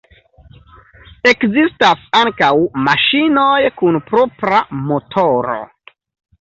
Ekzistas ankaŭ maŝinoj kun propra motoro.